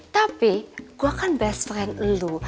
tapi gua kan best friend lu